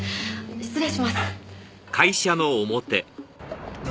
失礼します。